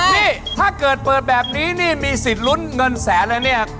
นี่ถ้าเกิดเปิดแบบนี้นี่มีสิทธิ์ลุ้นเงินแสนแล้วเนี่ย